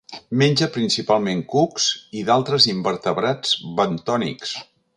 Menja principalment cucs i d'altres invertebrats bentònics.